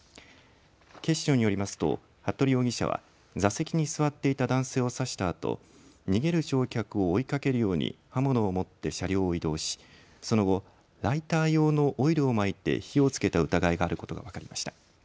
警視庁によりますと服部容疑者は座席に座っていた男性を刺したあと逃げる乗客を追いかけるように刃物を持って車両を移動し、その後、ライター用のオイルをまいて火をつけた疑いがあることが分かりました。